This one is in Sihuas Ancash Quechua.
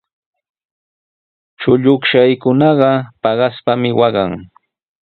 Chullukshaykunaqa paqaspami waqan.